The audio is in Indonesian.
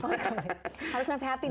harus ngesehatin ya